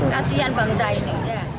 kasian bangsa ini